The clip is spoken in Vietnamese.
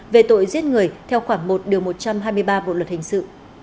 về tội giết người theo khoảng một điều một trăm hai mươi ba bộ luật hình sự